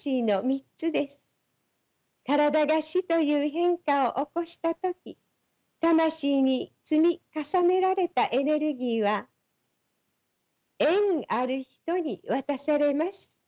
身体が死という変化を起こした時魂に積み重ねられたエネルギーは縁ある人に渡されます。